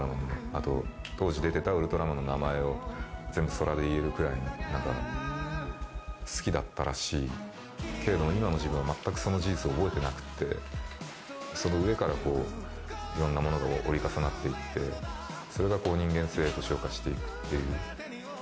あと、当時出てたウルトラマンの名前を全部そらで言えるぐらい、なんか好きだったらしいけれども、今の自分は全くその事実を覚えてなくて、その上からこう、いろんなものが折り重なっていって、それが人間性へと昇華していくっていう。